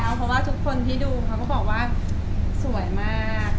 เพราะว่าทุกคนที่ดูเขาก็บอกว่าสวยมาก